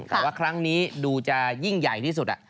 แต่ว่าครั้งนี้ดูจะยิ่งใหญ่ที่สุด